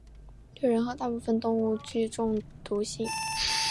对人和大部分动物具中毒性。